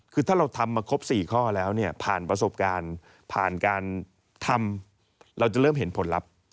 คือถ้าเราทำมาครบ๔ข้อแล้วเนี่ยผ่านประสบการณ์ผ่านการทำเราจะเริ่มเห็นผลลัพธ์